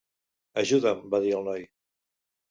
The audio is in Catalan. "Ajuda'm", va dir el noi.